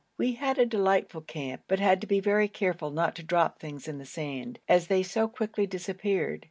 We had a delightful camp, but had to be very careful not to drop things in the sand, as they so quickly disappeared.